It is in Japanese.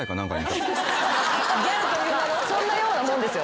そんなようなもんですよ。